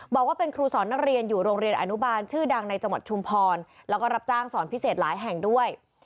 บอกว่าเป็นครูสอนนักเรียนอยู่โรงเรียนอนุบาลชื่อดังในจังหวัดชุมพรแล้วก็รับจ้างสอนพิเศษหลายแห่งด้วย